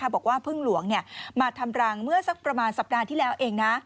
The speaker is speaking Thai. บอกว่าพึ่งหลวงมาทำรังเมื่อสักประมาณสัปดาห์ที่แล้วเองนะ